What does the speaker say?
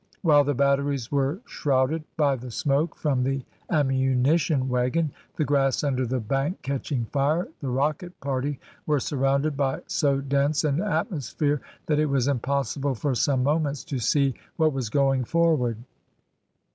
While the batteries were shrouded by the smoke from the ammunition waggon, the grass under the bank catching fire, the rocket party were surrounded by so dense an atmosphere that it was impossible for some moments to see what was going forward.